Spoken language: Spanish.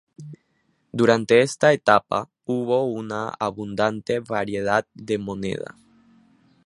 Durante esta etapa hubo una abundante variedad de moneda.